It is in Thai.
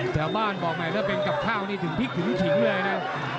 แถวบ้านบอกใหม่ถ้าเป็นกับข้าวนี่ถึงพริกถึงฉิงเลยนะ